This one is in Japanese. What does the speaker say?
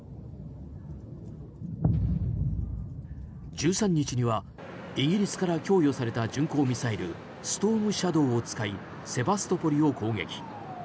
１３日にはイギリスから供与された巡航ミサイルストームシャドーを使いセバストポリを攻撃。